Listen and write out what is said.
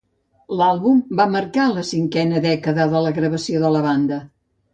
L'àlbum va marcar la cinquena dècada de la gravació de la banda.